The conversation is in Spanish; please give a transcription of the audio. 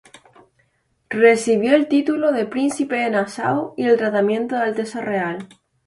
Recibió el título de Príncipe de Nassau y el tratamiento de Alteza Real.